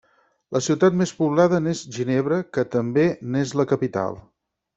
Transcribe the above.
La ciutat més poblada n'és Ginebra, que també n'és la capital.